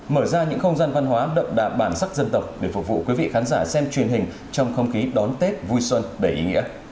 mở ra những không gian văn hóa đậm đà bản sắc dân tộc để phục vụ quý vị khán giả xem truyền hình trong không khí đón tết vui xuân đầy ý nghĩa